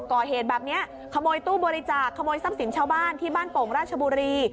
ก่อเหตุแบบนี้ขโมยตู้บริจาคขโมยทรัพย์สินชาวบ้านที่บ้านโป่งราชบุรี